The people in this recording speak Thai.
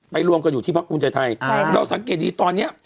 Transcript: รวมกันอยู่ที่พักภูมิใจไทยเราสังเกตดีตอนเนี้ย